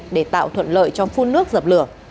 để tạo thuận lợi cho phun nước dập lửa